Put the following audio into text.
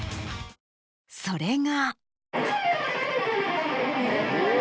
それが。